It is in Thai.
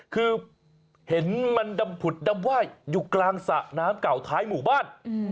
คือเห็นมันดำผุดดำไหว้อยู่กลางสระน้ำเก่าท้ายหมู่บ้าน